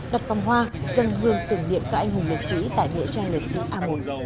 đặt tầm hoa dân vương tưởng niệm các anh hùng lợi sĩ tại nghệ trai lợi sĩ a một